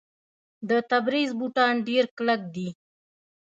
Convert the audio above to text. د تبریز بوټان ډیر کلک دي.